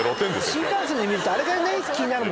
新幹線で見るとあれが気になる。